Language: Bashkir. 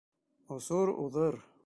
Осор уҙыр